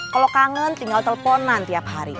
kalau kangen tinggal teleponan tiap hari